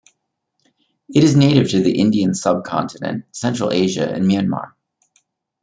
It is native to the Indian subcontinent, Central Asia and Myanmar.